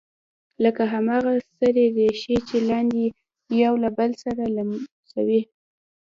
لکه هماغه سرې ریښې چې لاندې یو بل سره لمسوي